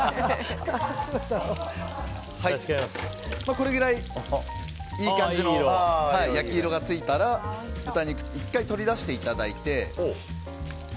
これくらいいい感じの焼き色がついたら豚肉を１回取り出していただいて。